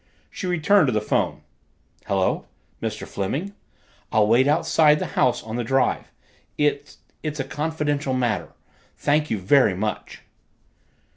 She returned to the phone. "Hello Mr. Fleming I'll wait outside the house on the drive. It it's a confidential matter. Thank you so much."